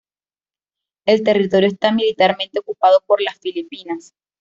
El territorio está militarmente ocupado por las Filipinas.